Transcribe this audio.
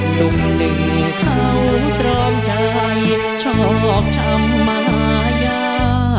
หนุ่มหนึ่งเขาตรอมใจชอบช้ำมายา